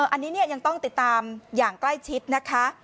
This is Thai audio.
อันนี้ยังต้องติดตามอย่างใกล้ชิดนะคะ